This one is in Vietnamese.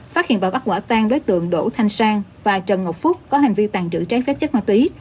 phát hiện và bắt quả tan đối tượng đỗ thanh sang và trần ngọc phúc có hành vi tàn trữ trái phép chất ma túy